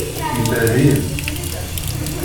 Yella din.